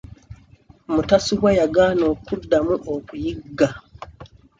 Mutasubwa yagaana okuddamu okuyigga.